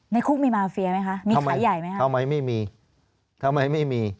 ในคุกมีมาเฟียไหมคะมีขายใหญ่ไหมคะทำไมไม่มีทำไมไม่มี